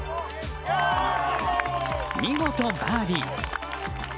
見事、バーディー。